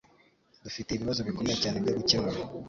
Dufite ibibazo bikomeye cyane byo gukemura.